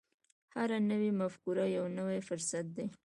هره نوې مفکوره یو نوی فرصت دی.